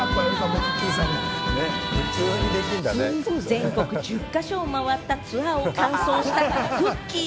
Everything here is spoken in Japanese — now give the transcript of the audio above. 全国１０か所を回ったツアーを完走したくっきー！